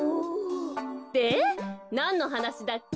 でなんのはなしだっけ？